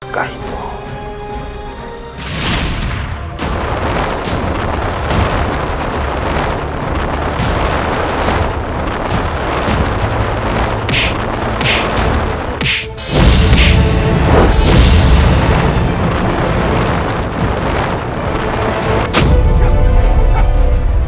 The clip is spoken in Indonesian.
aku sudah menyerangmu